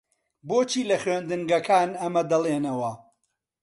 بۆچی لە خوێندنگەکان ئەمە دەڵێنەوە؟